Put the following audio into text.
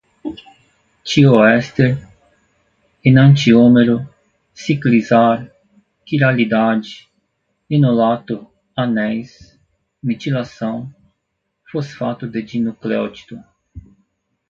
tioéster, enantiômero, ciclizar, quiralidade, enolato, anéis, metilação, fosfato de dinucléotido